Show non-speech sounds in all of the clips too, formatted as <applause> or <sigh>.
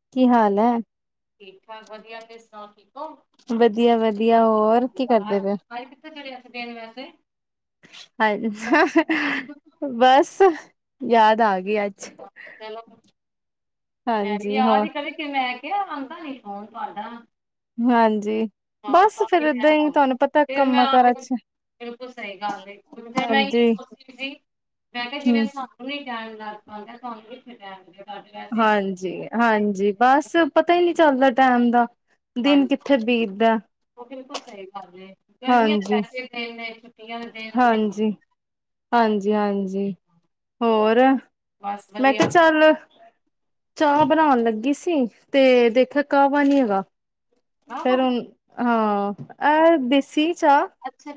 ਕੀ ਹਾਲ ਹੈ? ਵਧੀਆ, ਤੁਸੀ ਸੁਣਾਉ ਠੀਕ ਹੋ। ਵਧੀਆ ਵਧੀਆ ਹੋਰ ਕੀ ਕਰਦੇ ਪਏ? ਦੇਣ ਵਾਸਤੇ। ਹਾਂ ਬਸ। ਯਾਦ ਆ ਗਈ, ਅੱਜ। ਚਲੋ, ਮੈਂ ਵੀ ਹਾਂਜੀ ਯਾਦ ਹੋਰ ਹੀ ਕਦੇ ਕਿਵੇੈਂ ਕਿਹਾ, ਆਉਦਾ ਨੀ ਫੋਨ ਤੁਹਾਡਾ। ਹਾਂਜੀ। ਹਾਂ ਬਸ ਫੇਰ ਕਾਫੀ ਏਦਾਂ ਟਾਈਮ ਹੀ ਹੋ ਗਿਆ, ਤੁਹਾਨੂੰ ਪਤਾ ਫਿਰ ਮੈਂ ਕੰਮਾਂ ਆਪ ਕਾਰਾਂ ਚ ਬਿਲਕੁਲ ਸਹੀ ਗੱਲ ਨਹੀਂ ਫਿਰ ਮੈਂ ਹਾਂਜੀ ਸੋਚਦੀ ਸੀ ਮੈਂ ਕਿਹਾ, ਜਿਵੇਂ ਹੂੰ ਸਾਨੂੰ ਨੀ ਟਾਈਮ ਲੱਗ ਪੈਂਦਾ ਤੁਹਾਨੂੰ <unintelligible> ਵੈਸੇ ਹਾਂਜੀ-ਹਾਂਜੀ, ਬਸ ਪਤਾ ਹੀ ਨਹੀਂ। ਚੱਲਦਾ ਟੈਮ ਦਾ। ਦਿਨ ਹਾਂਜੀ, ਕਿੱਥੇ ਬੀਤਦਾ ਉਹ ਬਿਲਕੁਲ ਸਹੀ ਗੱਲ ਹੈ, ਗਰਮੀਆਂ ਤੇ ਵੈਸੇ ਦਿਨ ਨੇ ਛੁੱਟੀਆਂ ਦੇ ਦਿਨ ਨੇ। ਹਾਂਜੀ-ਹਾਂਜੀ-ਹਾਂਜੀ, ਹੋਰ ਬਸ ਮੈਂ ਵਧੀਆ ਕਿਹਾ ਚੱਲ ਚਾਹ ਬਣਾਉਣ ਲੱਗੀ ਸੀ ਤੇ ਦੇਖਿਆ ਕਾਹਵਾ ਨਹੀਂ ਹੈਗਾ। ਫਿਰ ਹੁਣ ਹਾਂ ਅਹ ਦੇਸੀ ਚਾਹ।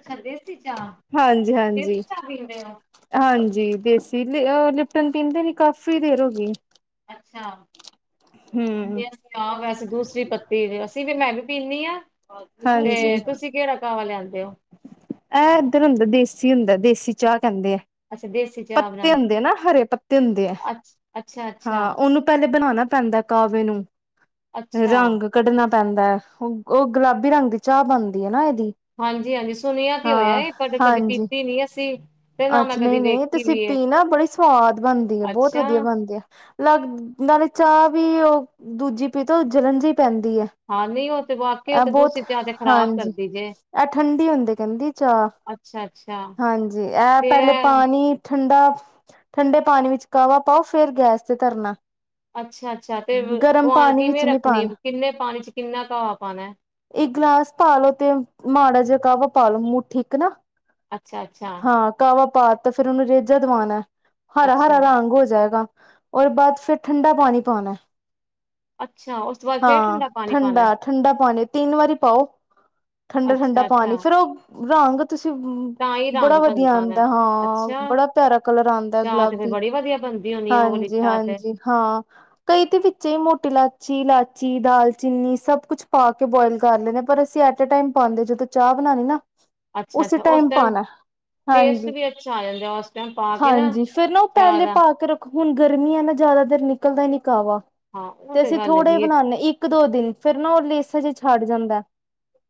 ਅੱਛਾ ਦੇਸੀ ਚਾਹ ਹਾਂਜੀ ਦੇਸੀ ਚਾਹ ਪੀਂਦੇ ਔ। ਜੀ ਦੇਸੀ ਲਿਆ ਲਿਪਟਨ ਪੀਂਦੇ ਨੀ ਕਾਫੀ ਦੇਰ ਹੋ ਗਈ। ਅੱਛਾ। ਹਮ ਜੇ ਅਸੀਂ ਆ ਵੈਸੇ ਦੂਸਰੀ ਪੱਤੀ ਜੇ ਅਸੀ ਤੇ ਫਿਰ ਮੈਂ ਵੀ ਪੀਣੀ ਹਾਂ। ਹਾਂਜੀ ਲਿਆਂਦੇ ਹੋ? ਏਹ ਇੱਧਰ ਹੁੰਦਾ ਦੇਸੀ ਹੁੰਦਾ ਦੇਸੀ। <unintelligible> ਕਹਿੰਦੇ ਹੈ ਅੱਛਾ ਦੇਸੀ ਚਾਹ ਪੱਤੇ ਬਣਾਂਦੇ, ਹੁੰਦੇ ਨਾ ਹਰੇ ਪੱਤੇ ਹੁੰਦੇ ਹੈ ਅੱਛਾ, ਹਾਂ ਅੱਛਾ-ਅੱਛਾ, ਉਹਨੂੰ ਪਹਿਲੇ ਬਣਾਉਣਾ ਪੈਂਦਾ ਕਾਹਵੇ ਨੂੰ। ਅੱਛਾ। ਰੰਗ ਕੱਢਣਾ ਪੈਂਦਾ ਹੁਣ। ਉਹ ਗੁਲਾਬੀ ਰੰਗ ਦੀ ਚਾਹ ਬਣਦੀ ਹੈ ਨਾ ਹਾਂਜੀ ਹਾਂਜੀ ਸੁਣਿਆ ਤੇ ਹੋਇਆ ਹਾਂ ਏ ਪਰ ਕਦੇ ਹਾਂਜੀ ਪੀਤੀ ਨੀ ਅਸੀਂ। ਤੇ ਨਾ ਮੈਂ ਅੱਛਾ ਕਦੀ ਨਹੀਂ- ਨਹੀਂ ਏ ਤੇ ਵੇਖੀ ਵੀ ਸਿੱਪੀ ਏ ਨਾ ਬੜੀ ਸਵਾਦ ਬਣਦੀ ਆ ਬਹੁਤ ਅੱਛਾ, ਵਧੀਆ ਬਣਦੀ। ਲੱਗ ਨਾਲੇ ਚਾਹ ਵੀ ਉਹ ਦੂਜੀ ਪੀਤੋ ਜਲਨ ਜਿ ਪੈਂਦੀ ਹੈ, ਹਾਂ ਨਹੀਂ ਉਹ ਤੇ ਵਾਕਈ ਉਹ ਇਹ ਤੇ ਬਹੁਤ ਦੂਸਰੀ ਚਾਹ ਤੇ ਖ਼ਰਾਬ ਹਾਂਜੀ ਕਰਦੀ ਜੇ। ਇਹ ਠੰਡੀ ਹੁੰਦੀ ਚਾਹ ਅੱਛਾ-ਅੱਛਾ ਹਾਂਜੀ ਏ ਤੇ ਪਹਿਲੇ ਇਹ ਪਾਣੀ ਠੰਡਾ ਠੰਡੇ ਪਾਣੀ ਵਿੱਚ ਕਾਹਵਾ ਪਾਓ ਫਿਰ ਗੈਸ ਤੇ ਧਰਨਾ। ਅੱਛਾ ਅੱਛਾ ਤੇ ਗਰਮ ਕੁਆਨਿਟੀ ਪਾਣੀ ਵਿੱਚ ਕਿਵੇਂ ਨਹੀਂ ਰੱਖਣੀ ਪਾਣਾ ਕਿੰਨੇ ਪਾਣੀ ਚ ਕਿੰਨਾ ਕਾਹਵਾ ਪਾਉਣਾ। ਜੇ ਕਾਹਵਾ ਪਾਲੋ ਮੂੰਹ ਠੀਕ ਏ ਨਾ। ਅੱਛਾ ਹਾਂ ਕਾਹਵਾ ਤਾ ਤੇ ਫਿਰ ਉਹਨੂੰ ਰੇਜਾ ਦਵਾਉਣਾ। ਹਰਾ ਅੱਛਾ, ਹਰਾ ਰੰਗ ਹੋ ਜਾਏਗਾ। ਉਹਦੇ ਬਾਅਦ ਫਿਰ ਠੰਡਾ ਪਾਣੀ ਪਾਉਣਾ। ਅੱਛਾ ਉਸ ਤੋਂ ਬਾਅਦ ਫੇਰ ਹਾਂ ਠੰਡਾ ਪਾਣੀ ਪਾਣਾ, ਹੈ। ਠੰਡਾ ਠੰਡਾ ਪਾਣੀ ਤਿੰਨ ਵਾਰੀ ਪਾਓ। ਠੰਡ- ਠੰਡਾ ਅੱਛਾ, ਪਾਣੀ ਅੱਛਾ ਫੇਰ ਉਹ ਰੰਗ ਤੁਸੀਂ ਤਾਂ ਹੀ ਰੰਗ ਬੜਾ ਵਧੀਆ ਬਣਦਾ ਵਾ। ਆਉਂਦਾ ਹਾਂ ਅੱਛਾ, ਬੜਾ ਪਿਆਰਾ ਕਲਰ ਆਉਂਦਾ ਚਾਹ ਤੇ ਫੇਰ ਗੁਲਾਬੀ ਬੜੀ ਵਧੀਆ ਬਣਦੀ ਹੋਣੀ ਉਹ ਵਾਲੀ ਚਾਹ ਤੇ, ਹਾਂਜੀ-ਹਾਂਜੀ ਹਾਂ ਕਈ ਤਾਂ ਵਿੱਚ ਹੀ ਮੋਟੀ ਲਾ ਕਚੀ ਇਲਾਚੀ ਦਾਲਚੀਨੀ ਸਭ ਕੁਛ ਪਾ ਕੇ ਬੋਇਲ ਕਰ ਲੈਂਦੇ ਹਾਂ, ਪਰ ਅਸੀਂ ਐਟੇ ਟਾਈਮ ਪਾਉਂਦੇ ਜਦੋਂ ਚਾਹ ਬਣਾਉਣੀ ਨਾ। ਅੱਛਾ, ਉਸੇ ਅੱਛਾ ਉਸ ਟਾਈਮ ਪਾਉਣਾ। ਟੇਸਟ ਹਾਂਜੀ ਵੀ ਅੱਛਾ ਆ ਜਾਂਦਾ ਉਸ ਟਾਈਮ ਪਾ ਕੇ ਨਾ ਹਾਂਜੀ ਫੇਰ ਨਾ ਉਹ ਚਾਹ ਪਹਿਲੇ ਦਾ। ਪਾ ਕੇ ਰੱਖੋ ਹੁਣ ਗਰਮੀ ਨੇ ਜ਼ਿਆਦਾ ਦੇਰ ਨਿਕਲਦਾ ਨਹੀਂ। ਵ ਹਾਂ ਉਹ ਤੇ ਅਸੀਂ ਗੱਲ ਥੋੜੇ ਹੈਗੀ ਏ। ਬਣਾਉਦੇ ਇੱਕ ਦੋ ਦਿਨ ਫੇਿਰ ਨਾ ਉਹ ਲੇਸ ਛੱਡ ਜਾਂਦਾ।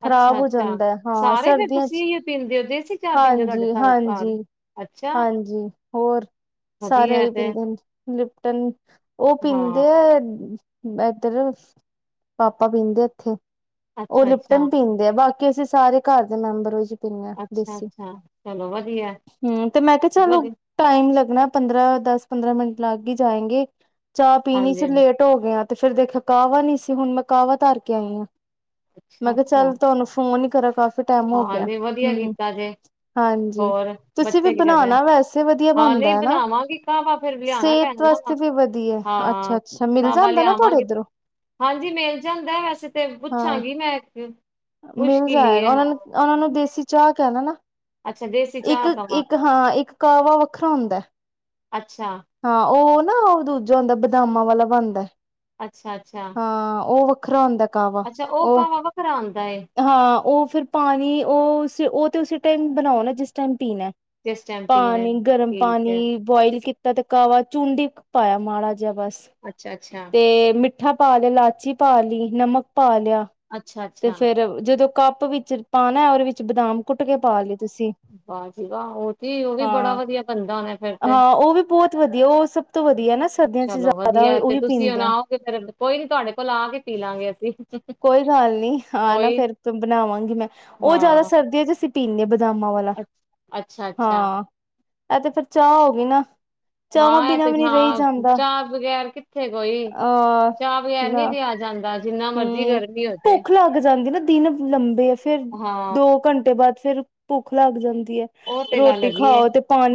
ਖ਼ਰਾਬ ਅੱਛਾ ਹੋ ਅੱਛਾ ਜਾਂਦਾ ਹੈ ਹਾਂ ਸਾਰੇ ਫੇਰ ਸਰਦੀਆਂ ਚ ਤੁਸੀਂ ਪੀਂਦੇ ਹੋ ਦੇਸੀ ਕਿਆ ਪੀਂਦੇ ਹੋ ਤੁਹਾਡੇ ਹਾਂਜੀ ਸਾਰੇ ਘਰ। ਹਾਂਜੀ ਅੱਛਾ, ਹਾਂਜੀ ਹੋਰ ਸਾਰੇ ਵਧੀਆ ਹੈ ਹੀ ਤੇ ਪੀਦੇ ਨੇ ਲਿਪਟਨ। ਉਹ ਹਾਂ, ਪਿੰਦੇ ਪਾਪਾ ਪੀਂਦੇ ਇੱਥੇ ਉਹ ਅੱਛਾ, ਅੱਛਾ, ਲਿਪਟਨ ਪੀਂਦੇ ਆ ਬਾਕੀ ਕਿ ਅਸੀਂ ਸਾਰੇ ਘਰ ਦੇ ਮੈਂਬਰ ਹੋ ਜ ਪਨ ਅੱਛਾ, ਦੇਸੀ ਅੱਛਾ ਚਲੋ ਵਧੀਆ, ਹਮ ਤੇ ਮੈਂ ਕਿਹਾ ਚਲੋ ਵਧੀਆ ਟਾਈਮ ਲੱਗ ਲ ਪੰਦਰਾਂ ਦਸ ਪੰਦਰਾਂ ਮਿੰਟ ਲੱਗ ਗ ਜਾਏਗੇ। ਚਾਹ ਪੀਣੀ ਹਾਂਜੀ, ਚ ਹਾਂਜੀ ਲੇਟ ਹੋ ਗਿਆ। ਤੇ ਫਿਰ ਦੇਖਿਆ ਕਾਹਵਾ ਨੀ ਸੀ ਹੁਣ ਮੈਂ ਕਾਹਵਾ ਧਾਰ ਕੇ ਆਈ ਹਾਂ। ਮ ਅੱਛਾ, ਕਿਹਾ ਅੱਛਾ ਚਲ ਤੁਹਾਨੂੰ ਫੋਨ ਕਰ ਕਫੀ <inaudible> ਹਾਂ ਜ ਵਧੀਆ ਕੀਤਾ ਜੇ ਹਾਂਜੀ ਹੋਰ ਤੁਸੀਂ ਵੀ ਬੱਚੇ ਕੀ ਕਦੇ ਬਣਾਉਣਾ ਵੈਸੇ ਵਧੀਆ ਹਾਂ ਨਹੀਂ ਬਣਦਾ ਹੈ ਨਾ ਬਣਾਵਾਂਗੀ ਘਾਹਵਾ ਫੇਿਰ ਲਿਆਣਾ ਪੈਣਾ ਸਿਹਤ ਨਾ ਵਾ ਵਾਸਤੇ ਵੀ ਵਧੀਆ ਅੱਛਾ ਹਾਂ ਅੱਛਾ ਮਿਲ ਘਾਹਵਾ ਜਾਂਦਾ ਨਾ ਤੁਹਾਡੇ ਲਿਆਵਾਂਗੇ ਇੱਧਰੋਂ ਹਾਂਜੀ ਮਿਲ ਜਾਂਦਾ ਵੈਸੇ ਤੇ ਹਾਂ ਪੁੱਛਾਂਗੀ ਮੈਂ ਇੱਕ ਮਿਲ ਮੁਸ਼ਕਿਲ ਹੀ ਹੈ ਜਾਏਗਾ ਉਹਨਾਂ ਨੂੰ ਹਾਂ। ਉਹਨਾਂ ਨੂੰ ਦੇਸੀ ਚਾਹ ਕਹਿਣਾ ਨਾ ਅੱਛਾ ਦੇਸੀ ਇੱਕ ਚਾਹ ਕਵਾਂ ਇੱਕ ਹਾਂ ਇੱਕ ਕਾਹਵਾ ਵੱਖਰਾ ਹੁੰਦਾ ਅੱਛਾ ਹਾਂ ਉਹ ਨਾ ਉਹ ਦੂਜਾ ਹੁੰਦਾ ਬਦਾਮਾਂ ਵਾਲਾ ਬਣਦਾ। ਅੱਛਾ ਅੱਛਾ। ਵੱਖਰ ਹੁੰਦਾ। ਵਾ ਅੱਛਾ ਉਹ ਕਾਹਵਾ ਵੱਖਰਾ ਆਉਂਦਾ ਏ ਹਾਂ ਉਹ ਫਿਰ ਪਾਣੀ ਉਹ ਉਹ ਤੇ ਉਸ ਟਾਈਮਬਣਾਉਣਾ ਜਿਸ ਟਾਈਮ ਪੀਣਾ ਜਿਸ ਟਾਈਮ ਪੀਣਾ ਪਾਣੀ ਗਰਮ ਠੀਕ ਪਾਣੀ ਹੈ ਬੋਆਇਲ ਕੀਤਾ। ਬ ਤੇ ਕਾਵਾ ਚੁੰਡੀ ਪਾਇਆ ਮਾੜਾ ਬਸ ਅੱਛਾ ਅੱਛਾ ਤੇ ਮਿੱ। ਮਿੱਠਾ ਪਾ ਲ ਇਲਾਚੀ ਪਾ ਲਈ ਨਮਕ ਪਾ ਲ ਅੱਛਾ ਤੇ ਅੱਛਾ ਫੇਰ ਜਦੋਂ ਕੱਪ ਵਿੱਚ ਪਾਉਣਾ ਉਹਦੇ ਵਿੱਚ ਬਦਾਮ ਕੁੱਟ ਉੱਟ ਪਾ ਲੀ। ਤੁਸੀਂ, ਵਾਹ ਜੀ ਵਾਹ ਉਹ ਤੇ ਉਹ ਵੀ ਬੜਾ ਹਾਂ-ਹਾਂ। ਵਧੀਆ ਬਣਦਾ ਹੋਣਾ ਫੇਰ ਤੇ ਉਹ ਵੀ ਬਹੁਤ ਵਧੀਆ। ਉਹ ਸਭ ਤੋਂ ਵਧੀਆ ਨਾ ਸਰਦੀਆਂ ਚ ਚਲੋ ਜ਼ਿਆਦਾ ਵਧੀਆ ਉਹ ਤੇ ਵੀ ਤੁਸੀਂ ਪੀਂਦੇ ਹੁਣ ਆ। ਆਓਗੇ ਫੇਰ ਕੋਈ ਨੀ ਤੁਹਾਡੇ ਕੋਲ ਆ ਕੇ ਪੀ ਲਾਂਗੇ ਅਸੀਂ ਕੋਈ ਗੱਲ ਨੀ ਆ, ਨਾ ਹੋਈ ਫਿਰ ਬਣਾਵਾਂਗੀ ਮੈਂ ਉਹ ਹਾਂ ਜ਼ਿਆਦਾ ਸਰਦੀਆਂ ਚ- <unintelligible> ਬਦਾਮਾ ਵਾਲਾ ਅੱਛਾ-ਅੱਛਾ ਹਾਂ। ਇਹ ਤੇ ਫਿਰ ਚਾਹ ਹੋ ਗਈ ਨਾ। ਚਾਹਵਾਂ ਹਾਂ, ਇਹ ਬਿਨਾਂ ਤੇ ਵੀ ਨੀ ਰਹੀ ਜਾਂਦਾ ਚਾਹ-ਚਾਜ ਵਗੈਰ ਕਿਥੇ- ਕਿਥੇ ਕੋਈ ਅਹ ਚਾਹ ਬਗੈਰ ਨਾ ਨੀ ਰਿਹਾ ਜਾਂਦਾ। ਜਿੰਨਾ ਮਰਜੀ ਹੂੰ, ਗਰਮੀ ਹੋਜੇ। ਭੁੱਖ ਲੱਗ ਜਾਂਦੀ ਨਾ ਦਿਨ ਲੰਬੇ- ਫਿਰ ਹਾਂ ਦੋ ਘੰਟੇ ਬਾਅਦ। ਫਿਰ ਭੁੱਖ ਲੱਗ ਜਾਂਦੀ ਆ। ਉਹ ਤੇ ਗੱਲ ਹੈਗੀ ਹੈ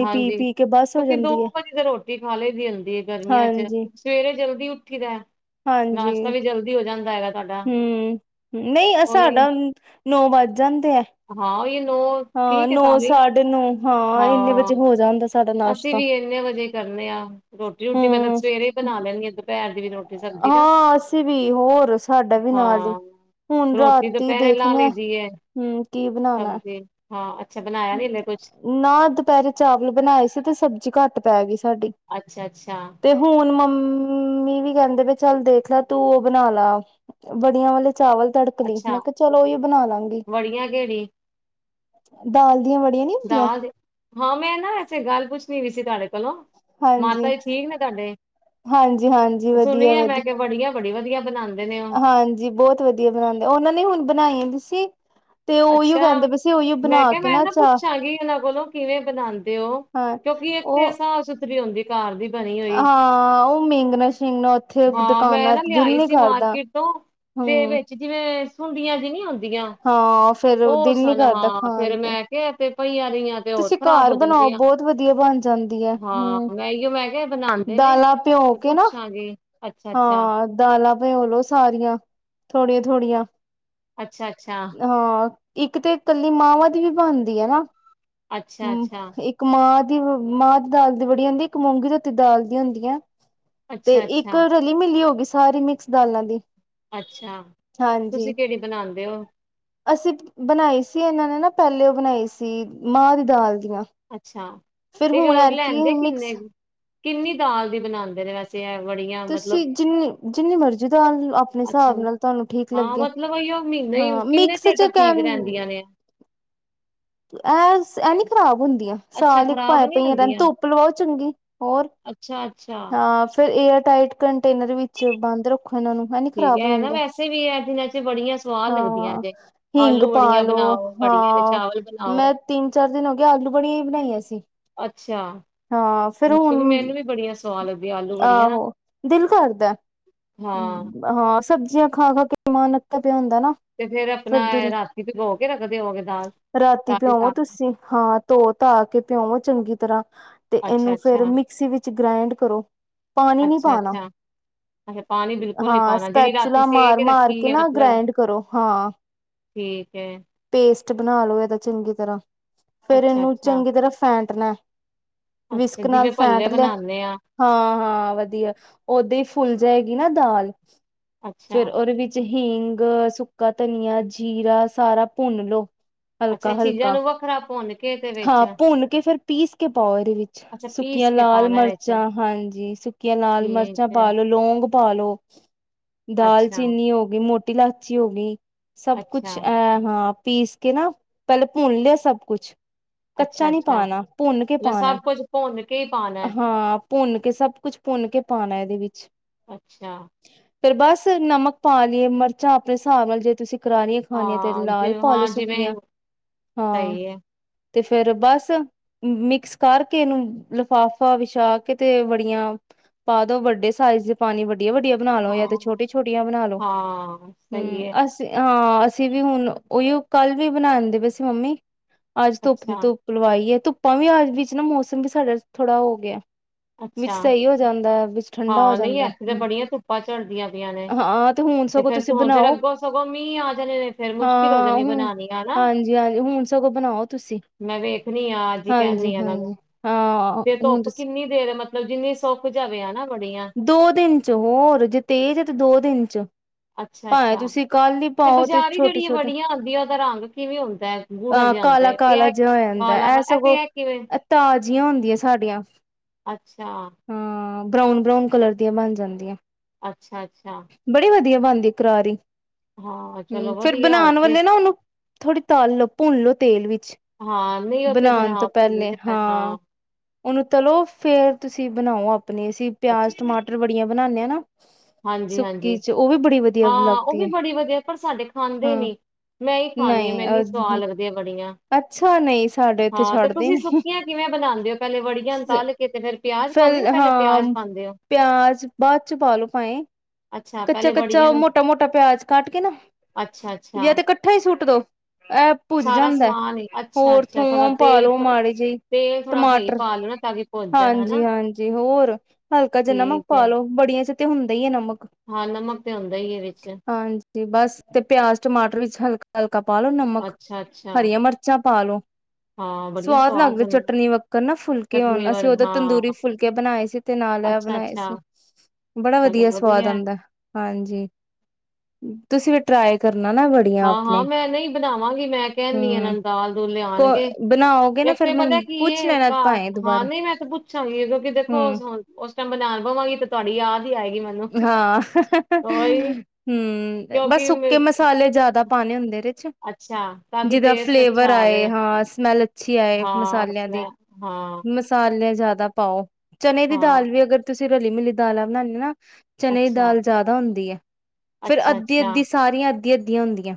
ਹਾਂਜੀ, ਪੀ-ਪੀ ਕੇ ਬਸ ਹੋ ਕਿਉਂਕਿ ਦੋ ਜਾਂਦੀ ਐ, ਵਜੇ ਤਾਂ ਰੋਟੀ ਖਾ ਲਈ ਦੀ ਜਾਂਦੀ ਗਰਮੀਆਂ ਚ ਸਵੇਰੇ ਜਲਦੀ ਉੱਠ- ਉੱਠੀ ਦਾ। ਹਾਂਜੀ, ਨਾਸ਼ਤਾ ਵੀ ਜਲਦੀ ਹੋ ਜਾਂਦਾ ਹੈਗਾ ਤੁਹਾਡਾ ਹੂ ਨਹੀਂ। ਉਹੀ ਸਾਡਾ ਨੌ ਵੱਜ ਜਾਂਦੇ ਹੈ। ਹਾਂ, ਇਹ ਹਾਂ, ਨੌ ਸਾਢੇ ਨੌ। ਹਾਂ, ਇੰਨੇ ਵਜੇ ਹੋ ਜਾਂਦਾ ਸਾਡਾ। ਅਸੀਂ ਨਾਸ਼ਤਾ ਵੀ ਇੰਨੇ ਵਜੇ ਕਰਨੇ ਆ। ਰੋਟੀ-ਰੋਟੀ ਮੈਂ ਤਾਂ ਹੂੰ। ਸਵੇਰੇ ਹੀ ਬਣਾ ਲੈਦੀ ਹਾਂ ਦੁਪਹਿਰ ਦੀ। ਵੀ ਰੋਟੀ ਸਬਜ਼ੀ ਨਾ ਹਾਂ, ਅਸੀਂ ਵੀ ਹੋਰ ਸਾਡਾ ਵੀ ਨਾਲ ਹੀ, ਹਾਂ ਹੁਣ ਰੋਟੀ ਰਾਤੀ ਦੁਪਹਿਰੇ ਲਾ ਦੇਖਦੇ ਲਈ ਹੂ, ਕੀ ਬਣਾਉਣਾ। ਹੂ, ਨਾ, ਦੁਪਹਿਰੇ ਚਾਵਲ ਬਣਾਏ ਸੀ। ਤੇ ਸਬਜ਼ੀ ਘੱਟ ਪੈ ਗਈ ਸੀ। ਸਾਡੀ। ਅੱਛਾ ਅੱਛਾ ਤੇ ਹੁਣ ਮੰਮੀ- ਹੂ, ਮੰਮੀ ਵੀ ਕਹਿੰਦੇ ਬਈ ਚੱਲ ਦੇਖ ਲੈ, ਤੂੰ ਉਹ ਬਣਾ ਲਾ ਬੜੀਆਂ ਵਾਲੇ- ਚਾਵਲ ਤੜਕ ਲਈ ਅੱਛਾ ਮੈਂ ਕਿਹਾ, ਚਲੋ ਉਹੀ ਬਣਾ ਲਵਾਗੀ। ਵੜੀਆਂ ਕਿਹੜੀ <inaudible> ਦਾਲ- ਦਾਲ ਹਾਂ ਮੈਂ ਨਾ ਵੈਸੇ ਗੱਲ ਪੁੱਛ -ਨੀ ਵੀ ਸੀ ਤੁਹਾਡੇ - -ਕੋਲੋ। ਮਾਤਾ ਜੀ ਠੀਕ ਨੇ ਤੁਹਾਡੇ। ਹਾਂਜੀ-ਹਾਂਜੀ। ਸੁਣੀਏ ਮੈਂ ਵਧੀਆ-ਵਧੀਆ। ਕਿਹਾ ਬੜੀ ਵੜੀਆਂ ਵਧੀਆ ਬਣਾਉਂਦੇ। ਨੇ ਉਹ ਹਾਂਜੀ ਬਹੁਤ ਵਧੀਆ ਬਣਾਉਂਦੇ ਉਹਨਾਂ ਨੇ ਹੁਣ ਬਣਾਈਆਂ। ਸੀ ਤੇ ਉਹੀਓ ਅੱਛਾ ਕਹਿੰਦੇ ਪਏ ਸੀ ਉਹੀਓ ਮੈਂ ਬਣਾ ਕਿਹਾ ਕੇ ਮੈਂ ਨਾ ਚਾ ਪੁੱਛਾਂਗੀ ਇਹਨਾਂ ਕੋਲੋਂ ਕਿਵੇਂ ਬਣਾਉਦੇ ਹੋ ਹਾਂ ਕਿਉਂਕਿ ਉਹ ਇੱਥੇਸਫ਼ ਸੁਥਰੀ ਹੁੰਦੀ। ਘਰ ਦੀ ਬਣੀ ਹੋਈ ਹਾਂ ਉਹ ਮੀਂਗਣਾ ਸ਼ੇਗਣਾ ਉੱਥੇ ਹਾਂ ਮੈਂ ਦੁਕਾਨਾਂ ਨਾ ਤੇ ਦਿਲ ਲਿਆਈ ਨੀ ਸੀ ਕਰਦਾ ਮਾਰਕੀਟ ਹਮ ਹੁੰਦੀਆਂ ਜੀ ਨਹੀਂ ਹੁੰਦੀ। ਹਾਂ। ਫੇਰ ਉਹ ਦਿਲ ਨੀ ਸਨ ਕਰਦਾ ਹਾਂ ਫੇਿਰ ਖਾਣ ਤੇ ਮੈਂ ਕਿਹਾ ਤੇ ਪਹੀਆਂ ਰਆਂ ਤੇ ਹੋਰ ਤੁਸੀਂ ਖ਼ਰਾਬ ਘਰ ਹੋ ਬਣਾਓ ਜਾਣਗੀਆਂ ਬਹੁਤ ਵਧੀਆ ਬਣ ਜਾਂਦੀ ਹੈ ਹਮ ਹਾਂ ਮੈਂਓ ਮੈਂ ਕਿਹਾ ਬਣਾਉਂਦੇ ਨੇ ਦਾਲਾਂ ਭਿਓ ਤੇ ਕੇ ਪੁੱਛਾਂਗੇ ਅੱਛਾ ਅੱਛਾ। ਭਓਲੋ ਸਾਰੀਆਂ ਥੋੜੀਆਂ ਥੋੜੀਆਂ ਅੱਛਾ ਅੱਛਾ। ਇੱਕ ਤੇ ਇਕੱਲੀ ਮਾਵਾਂ ਦੀ ਵੀ ਬਣਦੀ ਹੈ ਨਾ ਅੱਛਾ ਅੱਛਾ ਹਮ ਇੱਕ ਮਾਂ ਦੀ ਮਾਂ ਦੀ ਦਾਲ ਦੀ ਬੜੀ ਹੁੰਦੀ ਇੱਕ ਮੂੰਗੀ ਧੋਤੀ ਦਾਲ ਦੀ ਹੁੰਦੀ ਹੈ। ਅੱਛਾ ਤੇ ਇੱਕ ਅੱਛਾ ਰਲੀ ਮਿਲੀ ਹੋ ਗਈ ਸਾਰੀ ਮਿਕਸ ਦਾਲਾਂ ਦੀ ਅੱਛਾ ਹਾਂਜੀ ਤੁਸੀਂ ਕਿਹੜੀ ਬਣਾਉਦੇ ਉਹ। ਅਸੀਂ ਬਣਾਈ ਸੀ ਇਹਨਾਂ ਨੇ ਨਾ ਪਹਿਲੇ ਉਹ ਬਣਾਈ ਸੀ ਮਾਂ ਦੀ ਦਾਲ ਦੀਆਂ ਅੱਛਾ ਫਿਰ ਤੇ ਹੁਣ ਐਤਕੀ ਲੈਂਦੇ ਮਿਕਸ ਕਿੰਨੇ ਕਿੰਨੀ ਦਾਲ ਦੀ ਬਣਾਉਦੇ। ਮੇਰੇ ਵਸਸੀ। ਤੁਸੀਂ ਜਿੰਨੀ ਜਿੰਨੀ ਮਰਜ਼ੀ ਦ ਆਪਣੇ ਅੱਛਾ ਹਿਸਾਬ ਨਾਲ ਤੁਹਾਨੂੰ ਠੀਕ ਹਾਂ ਲੱਗੇ ਮਤਲਬ ਉਹ ਮਹੀਨਾ ਹੀ ਹਾਂ ਕਿੰਨੇ ਮਿਕਸ ਚਿਰ ਚ ਤੱਕ ਠੀਕ ਕਹਿਣ ਰਹਿੰਦੀਆਂ ਨੇ ਐ ਇਹ ਨੀ ਖਰਾਬ ਹੁੰਦੀ। ਅੱਛਾ ਸਾਲ ਇੱਕ ਖ਼ਰਾਬ ਪਾਇਏ ਨੀ ਪਈਆਂ ਰਹਿੰਦੀ ਹੁੰਦੀਆਂ ਧੁੱਪ ਲਵਾਓ ਚੰਗੀ ਹੋਰ ਅੱਛਾ ਅੱਛਾ ਹਾਂ ਫੇਰ ਇਹ ਟਾਈਟ ਕੰਟੇਨਰ ਵਿੱਚ ਬੰਦ ਰੱਖੋ। ਇਹਨਾਂ ਨੂੰ ਇਹ ਨੀ ਠੀਕ ਖ਼ਰਾਬ ਹੈ ਨਾ ਹੋਏਗੀਆਂ ਵੈਸੇ ਵੀ ਇਹ ਦਿਨਾਂ ਚ ਬੜੀਆਂ ਸਆਹ ਲੱਗਦੀਆਂ ਹਾਂ ਜੇ ਹਿੰਗ ਆਲੂ ਪਾ ਬੜੀਆਂ ਲੋ ਬਣਾਓ ਬੜੀਆਂ ਤੇ ਹਾਂ ਚਾਵਲ ਬਣਾਓ ਮੈਂ ਤਿੰਨ ਚਾਰ ਦਿਨ ਹੋ ਗਿਆ ਆਲੂ ਬੜੀਆਂ ਹੀ ਬਣਾਈਆਂ ਸੀ। ਅੱਛਾ ਹਾਂ ਫੇਿਰ ਕਿਉਂਕਿ ਹੁਣ ਮੈਨੂੰ ਵੀ ਬੜੀਆਂ ਸਵਾਦ ਲੱਗਦੀਆਂ ਆਲੂ ਬੜੀਆਂ ਨਾ ਆਹੋ ਦਿਲ ਕਰਦਾ ਹਾਂ ਹਾਂ। ਸਬਜ਼ੀਆਂ ਖਾ ਖਾ ਕੇ ਮਾਨ ਅੱ ਪਿਆਂਦਾ। ਤੇ ਫੇਿਰ ਆਪਣਾ ਰਾਤੀ ਚ ਗੋ ਕੇ ਰੱਖਦੇ ਹੋਗੇ ਦਾਲ ਰਾਤੀ ਸਾਰੀ ਪਿਓਵੋ ਦਾਲ ਤੁਸੀਂ ਹਾਂ ਧੋ ਧਾ ਕੇ ਭਿਓ ਚੰਗੀ ਤਰ੍ਹਾਂ। ਤੇ ਅੱਛਾ ਇਹਨੂੰ ਫੇਰ ਅੱਛਾ ਮਿਕਸੀ ਵਿੱਚ ਵਿੱਚ ਗ੍ਰੈਂਡ ਕਰੋ। ਪਾਣੀ ਨੀ ਅੱਛਾ ਪਾਣਾ ਅੱਛਾ ਅੱਛਾ ਪਾਣੀ ਬਿਲਕੁਲ ਨੀ ਹਾਂ ਪਾਉਣਾ ਜਿਹੜੀ ਰਾਤੀ ਸਪੈਚੂਲਾ ਸੇ ਮਾਰ ਮਾਰ ਰੱਖੀ ਕੇ ਹੈ ਨਾ ਮਤਲਬ ਗ੍ਰੈਂਡ ਕਰੋ ਹਾਂ। ਠੀਕ ਏ। ਪੇਸਟ ਬਣਾ ਲੋ ਇਹਦਾ ਚੰਗੀ ਤਰ੍ਹਾਂ। ਫੇਰ ਅੱਛਾ ਇਹਨੂੰ ਅੱਛਾ ਚੰਗੀ ਤਰ੍ਹਾਂ ਫੈਂਟ। ਕੱਟਣਾ। ਅੱਛਾ ਵਿਸਕ ਨਾਲ ਜਿਵੇਂ ਫੈਂਟ ਭੱਲੇ ਲਿਆ ਬਣਾਉਂਦੇ ਆ ਹਾ-ਹਾਂ ਵਧੀਆ ਓਦੇ। ਫੁੱਲ ਜਾਏਗੀ ਨਾ ਦਾਲ। ਅੱਛਾ ਫੇਰ ਉਹਦੇ ਵਿੱਚ ਹਿੰਗ, ਸੁੱਕਾ ਧਨੀਆ, ਜੀਰਾ, ਸਾਰਾ। ਭੁੰਨ ਲਓ। ਅੱਛਾ ਹਲਕਾ ਇਹ ਚੀਜ਼ਾਂ -ਹਲਕਾ ਨੂੰ ਵੱਖਰਾ ਭੁੰਨ ਕੇ ਤੇ ਵਿੱਚ ਹਾਂ ਭੁੰਨ ਕੇ ਫੇਰ ਪੀਸ ਕੇ ਪਾਓ ਇਹਦੇ ਵਿੱਚ ਅੱਛਾ ਪੀਸ ਸੁੱਕੀਆਂ ਕੇ ਲਾਲ ਪਾਉਣਾ ਵਿੱਚ ਮਿਰਚਾਂ ਹਾਂਜੀ ਸੁੱਕੀਆਂ ਲਾਲ ਠੀਕ ਮਿਰਚਾਂ ਹੈ ਪਾ ਲਓ ਲੌਂਗ। ਪਾਲੋ। ਅੱਛਾ ਦਾਲਚੀਨੀ ਹੋ ਗਈ ਮੋਟੀ। ਮੋਟੀ ਲਾਚੀ ਹੋ ਗਈ। ਸਭ ਅੱਛਾ ਕੁਛ ਐ ਹਾਂ। ਪੀਸ ਕੇ ਨਾ ਪਹਿਲੇ ਭੁੰਨ ਲਿਆ ਸਭ ਕੁਛ। ਅੱਛਾ ਕੱਚਾ ਨੀ ਅੱਛਾ ਪਾਣਾ ਭੁੰਨ ਕੇ ਮਤਲਬ ਪਾਉਣਾ ਸਭ ਕੁੱਝ ਭੁੰਨ ਕੇ ਹੀ ਪਾਉਣਾ ਹੈ ਹਾਂ ਭੁੰਨ ਕੇ ਸਭ ਕੁਛ ਭੁੰਨ ਕੇ ਪਾਣਾ ਇਹਦੇ ਵਿੱਚ। ਅੱਛਾ ਫਰ ਬਸ ਨਮਕ ਪਾ ਲਈਏ ਮਿਰਚਾਂ ਆਪਣੇ ਹਿਸਾਬ ਨਾਲ ਜੇ ਤੁਸੀਂ। ਕਰਾਰੀਆਂ ਖਾਣੀਆਂ ਤੇ ਹਾਂ ਲਾਲ। ਜ ਪਾ ਲੋ ਹਾਂ ਜਿਵੇਂ ਸੁੱਕੀਆਂ ਹਾਂ। ਸਹੀ ਹੈ ਤੇ ਫੇਰ ਬਸ ਮਿਕਸ ਕਰਕੇ ਇਹਨੂੰ ਲਿਫ਼ਾਫਾ ਵਿਛਾ ਕੇ ਤੇ ਬੜੀਆਂ ਪਾ ਦੋ ਵੱਡੇ ਸਾਈਜ਼ ਦੇ ਪਾਣੀ‌ ਵ ਵੱਡਿਆ- ਵੱਡਿਆ ਬਣਾ ਲੋ ਜਾਂ ਤੇ ਹਾਂ ਛੋਟੀ-ਛੋਟੀਆਂ ਬਣਾ ਲੋ ਹਾਂ ਹੂੰ ਸਹੀ ਹੈ ਅਸੀਂ। ਹਾਂ ਅਸੀਂ ਵੀ ਹੁਣ। ਉ ਈ ਓ ਕੱਲ ਦੇ ਹੀ ਬਣਾਦੇ ਪਏ ਸੀ ਮੰਮੀ। ਅੱਜ ਅੱਛਾ ਧੁੱਪ-ਧੁੱਪ ਲਵਾਈ ਹੈ ਧੁੱਪ। ਆਪਾਂ ਵੀ ਆਜ ਵਿੱਚ ਨਾ ਮੌਸਮ ਵੀ ਸਾਡਾ ਥੋੜ੍ਹਾ ਹੋ ਗਿਆ। ਅੱਛਾ ਵਿੱਚ ਸਹੀ ਹੋ ਜਾਂਦਾ ਐ, ਵਿੱਚ ਠੰਡਾ ਹੋ ਹਾਂ ਨਹੀਂ ਜਾਂਦਾ ਐ। ਇਥੇ ਤਾਂ ਹੂੰ। ਬੜੀਆਂ ਧੁੱਪਾਂ ਚਝੜਦੀਆਂ ਪਿਆਂ ਨੇ ਹਾਂ ਹੁਣ ਤੇ ਸਗੋਂ ਫੇਰ ਤੁਸੀਂ ਹੁਣ ਫਿਰ ਬਣਾਓ ਅੱਗੋਂ ਸਗੋਂ ਮੀਂਹ ਆ ਜਾਣੇ ਨੇ ਫੇਰ ਮੁਸ਼ਕਿਲ। ਹੋ ਹਾਂ ਜਾਣੀ ਹੂੰ ਬਣਾਉਣੀ ਹਨਾ ਹਾਂਜੀ- ਹਾਂਜੀ ਹੁਣ ਸਗੋਂ ਬਣਾਓ ਤੁਸੀਂ ਮੈਂ ਵੇਖਣੀ ਆ ਅੱਜ ਹੀ ਹਾਂਜੀ ਕਹਿਣੀ ਆ ਹਾਂਜੀ ਹਾਂ ਹੁਣ ਤੁਸੀਂ। ਫੇਰ ਮਤਲਬ ਜਿੰਨੀ ਸੁੱਖ ਜਾਵੇ ਹਨਾ। ਵੜੀਆਂ ਦੋ ਦਿਨ ਚ ਹੋਰ ਜੇ ਤੇਜ ਹੈ ਤੇ ਦੋ ਦਿਨ ਚ। ਅੱਛਾ ਭਾਵੇਂ ਅੱਛਾ ਤੁਸੀਂ ਕੱਲ ਹੀ ਪਾਓ ਤੇ ਬਜ਼ਾਰੀ ਜਿਹੜੀ ਛੋਟੇ-ਛੋਟੇ ਵੜੀਆਂ ਆਉਂਦੀਆਂ ਉਹਦਾ ਰੰਗ ਕਿਵੇਂ ਹੁੰਦਾ ਹੈ ਗੂੜਾ ਹਾਂ ਜਿਹਾ ਹੁੰਦਾ ਕਾਲਾ ਹੈ ਤੇ -ਕਾਲਾ ਇਹ ਜਿਹਾ ਹੋ ਜਾਂਦਾ ਕਾਲਾ ਇਹ ਤੇ ਸਗੋਂ ਕਿਵੇਂ ਤਾਜ਼ੀਆਂ ਹੁੰ ਦੀਆਂ ਸਾਡੀਆਂ। ਅੱਛਾ। ਹਾਂ ਬਰਾਊਨ। ਬਰਾਊਨ ਕਲਰ ਦੀਆਂ ਬਣ ਜਾਂਦੀਆਂ। ਅੱਛਾ ਅੱਛਾ। ਵਧਆ ਬਣਦੀ ਕਰਾਰੀ ਹਾਂ ਹਮ ਚਲੋ ਫੇਿਰ ਵਧੀਆ ਹੋਰ ਬਣਾਉਣ ਕੀ ਵਾਲੇ ਨਾ ਉਹਨੂੰ ਥੋੜ੍ਹੀ ਤਾਲ ਲ ਲੋ ਭੁੰਨ ਲਓ ਤੇਲ ਵਿੱਚ ਹਾਂ ਨਹੀਂ ਉਹ ਤੇ ਫੇਰ ਬਣਾਉਣ ਤੋਂ ਹਾਂ ਭੁੰਨ ਪਹਿਲੇ ਤੇ ਪੈ- ਹਾਂ ਉਹਨੂੰ ਤਲੋ ਫੇਰ ਤੁਸੀਂ ਬਣਾਓ ਆਪਣੀ ਪਿਆ ਅੱਛਾ ਟਮਾਟਰ ਕੁੜੀਆਂ ਬਣਾਾਨਦੇ ਹਾਂ ਨਾ। ਹਾਂਜੀ ਹਾਂਜੀ ਸੁੱਕੀ ਚ ਉਹ ਵੀ ਬੜੀ ਵਧੀਆ ਹਾਂ ਉਹ ਲੱਗਦੀ ਵੀ ਹੈ ਬੜੀ ਵਧੀਆ ਪਰ ਸਾਡੇ ਖਾਂਦੇ ਹਾਂ ਨੀ ਮੈਂ ਹੀ ਖਾਂਦੀ ਹਾਂ ਨਹੀਂ ਮੈਨ ਸਵਾਦ ਅ ਲੱਗਦੀ ਹੈ ਬੜੀਆਂ ਅੱਛਾ ਨਹੀਂ ਸਾਡੇ ਇੱਥੇ ਹਾਂ ਤੇ ਛੱਡਦੇ ਤੁਸੀਂ ਨੀ ਸੁੱਕੀਆਂ ਕਿਵੇਂ ਬਣਾਉਂਦੇ ਹੋ ਪਹਿਲੇ ਵੜੀਆਂ ਨੂੰ ਤਲ ਕੇ ਤੇ ਫੇਰ ਪਿਆਜ ਪਾਉਂਦੇ ਹੋ ਫਿਰ ਪਹਿਲੇ ਹਾਂ ਪਿਆਜ ਪਾਉਂਦੇ ਹੋ ਪਿਆਜ ਬਾਅਦ ਚ ਪਾਲੋ ਭਾਏ ਅੱਛਾ ਕੱਚਾ ਪਹਿਲੇ ਬੜੀਆਂ ਕੱਚਾ ਨੂੰ ਮੋਟਾ ਮੋਟਾ ਪਿਆਜ ਕਾਟ ਕੇ ਨਾ ਅੱਛਾ ਅੱਛਾ ਜਾਂ ਤੇ ਕੱਠਾ ਹੀ ਸੁੱਟ ਦੋ ਇਹ ਭੁੱਜ ਸਾਰਾ ਜਾਂਦਾ। ਸਮਾਨ ਹੀ ਅੱਛਾ ਹੋਰ ਅੱਛਾ ਥੋੜਾ ਥੋਮ ਪਾ ਤੇਲ ਲੋ ਮਾੜੀ ਜਿਹੀ ਤੇਲ ਥੋੜਾ ਸਹੀ ਟਮਾਟਰ ਪਾ ਲੋ ਨਾ ਤਾਂ ਕਿ ਭੁੱਜ ਜਾਣ ਹਾਂਜੀ ਹਨਾ ਹਾਂਜੀ ਹੋਰ ਹਲਕਾ ਜਿੰਨਾਮ ਠੀਕ ਹੈ ਪਾਾਲ ਲੋ ਬੜੀਆਂ ਚ ਹੁੰਦਾ ਹੀ ਹੈ ਨਮਕ। ਹਾਂ ਨਮਕ ਤੇ ਹੁੰਦਾ ਹੀ ਇਹ ਵਿੱਚ ਜ ਬਸ ਤੇ ਪਿਆਜ ਟਮਾਟਰ ਵਿੱਚ ਹਲਕਾ ਹਲਕਾ। ਕਪਾਲੋ ਨਮਕ ਅੱਛਾ ਅੱਛਾ ਹਰੀਆਂ ਮਰਚ ਪਾ ਲੋ ਹਾਂ ਬੜੀਆਂ ਸਵਾਦ ਲੱਗਦਾ ਬਣਨ ਚਟਨੀ ਵੱਕਰ ਨਾ ਫੁਲਕੇ ਹੋਣ ਚਟਨੀ ਅਸੀਂ ਵਰਗ ਉਦੋਂ ਹਾਂ ਤੰਦੂਰੀ ਫੁਲਕੇ ਬਣਾਏ ਸੀ ਤੇ ਨਾਲ ਅੱਛਾ ਬਣਾਏ ਅੱਛਾ ਸੀ ਬੜਾ ਚਲੋ ਵਧੀਆ ਸਵਾਦ ਹੈ। ਆਉਂਦਾ ਹਾਂਜੀ। ਤੁਸੀਂ ਵੀ ਟਰਾਈ ਕਰੋ। ਹਾਂ ਹਾਂ ਮੈਂ ਨਹੀਂ ਬਣਾਵਾਂਗੀ ਮੈਂ ਕਹਿਣਦੀ ਹਮ ਇਹਨਾਂ ਨੂੰ ਦਾਲ ਕੋ ਲਿਆਉਣਗੇ ਬਣਾਓਗੇ ਨਾ ਇੱਕ ਫੇਰ ਤੇ ਪਤਾ ਮੈਨੂੰ ਕੀ ਪੁੱਛ ਇਹ ਲੈਣਾ ਘਰ ਭਾਏ ਹਾਂ ਦੁਬਾਰਾ ਨਹੀਂ ਮੈਂ ਤੇ ਪੁੱਛਾਂਗੀ ਕਿਉਂਕਿ ਦੇਖੋ ਹੂੰ ਬਣਾਉਣ ਪਵਾਂਗੇ ਤੇ ਤੁਹਾਡੀ ਯਾਦ ਹੀ ਆਏਗੀ ਮੈਨੂੰ ਹਾਂ ਉਹੀ ਹਮ ਬਸ ਕਿਉਂਕਿ ਸੁੱਕੇ ਮੈਂ- ਮਸਾਲੇ ਜਿਆਦਾ ਪਾਉਣੇ ਹੁੰਦੇ। ਅੱਛਾ ਤਾਂ ਕਿ ਜਿਦਾ ਟੇਸਟ ਅੱਛਾ ਫਲੇਵਰ ਆਵੇ ਆਏ ਹਾਂ ਸਮੈਲ ਅੱਛੀ ਆਏ ਹਾਂ ਮਸਾਲਿਆਂ ਦੀ ਉਸਨੇ ਹਾਂ-ਹਾਂ ਮਸਾਲਿਆਂ ਜ਼ਿਆਦਾ ਪਾਓ। ਚਨ ਦੀ ਦਾਲ ਵੀ ਅਗਰ ਤੁਸੀਂ ਸੀ ਰਲੀ ਮਿਲੀ ਦਾਲਾਂ ਬਣਾਨਦੇ ਚਨ ਦੀ ਦਾਲ ਜਿਆਦਾ ਹੁੰਦੀ ਹੈ। ਫੇਿਰ ਅੱਧੀ ਅੱਧੀ ਸਾਰੀਆਂ ਅੱਧ ਅਧੀ ਅੱਧੀਆਂ ਹੁੰਦੀਆਂ।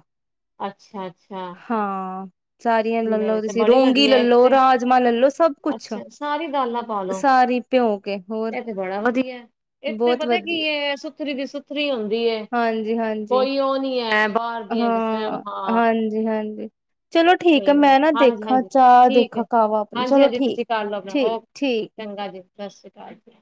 ਅੱਛਾ, ਅੱਛਾ ਹਾਂ ਸਾਰੀਆਂ ਲੈ ਲੋ ਤੁਸੀਂ ਰੋਂਗੀ ਲੈ ਲੋ ਤੇ ਰਾਜਮਾਂ ਲੈਲੋ ਸਭ ਕੁਛ ਅੱਛਾ ਸਾਰੀ ਦਾਲਾਂ ਪਾ ਲੋ ਸਾਰੀ ਭਿਉਂ ਕੇ ਹੋਰ ਇਹ ਤੇ ਬੜਾ ਵਧੀਆ ਹੈ। ਇੱਕ ਤੇ ਪਤਾ ਬਹੁਤ ਕੀ ਵਧੀਆ ਐ ਸੁਥਰੀ ਦੀ ਸੁਥਰੀ ਹੁੰਦੀ ਹਾਂਜੀ-ਹਾਂਜੀ, ਕੋਈ ਉਹ ਨੀ ਹੈ, ਬਾਹਰ ਦੀਆਂ ਕਿਸ ਹਾਂ। ਹਾਂਜੀ-ਹਾਂਜੀ। ਚਲੋ ਠੀਕ ਸਹੀ ਐ, ਮੈਂ ਨਾ ਹਾਂਜੀ, ਦੇਖਾਂ ਹਾਂਜੀ ਚਾਹ ਠੀਕ ਦੇਖਾਂ ਹੈ। ਕਾਵਾ ਆਪਣੀ ਹਾਂਜੀ, ਚਲੋ ਹਾਂਜੀ ਠੀਕ, ਤੁਸੀਂ ਕਰ ਲਓ ਆਪਣਾ ਠੀਕ, ਠੀਕ। ਓਕੇ ਚੰਗਾ ਜੀ ਸਤਿ ਸ਼੍ਰੀ ਅਕਾਲ। ਕਾਰ ਦਿਯੋ।